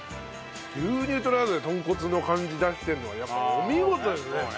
牛乳とラードで豚骨の感じ出してるのはやっぱお見事ですね。